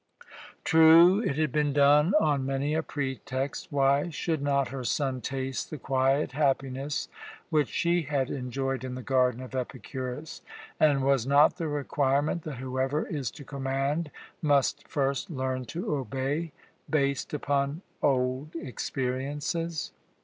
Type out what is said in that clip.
True, it had been done on many a pretext. Why should not her son taste the quiet happiness which she had enjoyed in the garden of Epicurus? And was not the requirement that whoever is to command must first learn to obey, based upon old experiences?